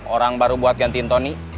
orang baru buat gantiin tony